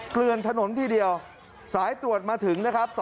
เกลือนถนนทีเดียวสายตรวจมาถึงนะครับ